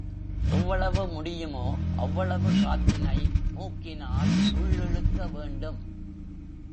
எவ்வளவு முடியுமோ அவ்வளவு காற்றினை மூக்கினால் உள்ளிழுக்க வேண்டும்.